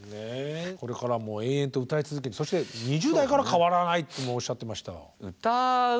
これからも永遠と歌い続けてそして２０代から変わらないっておっしゃっていました。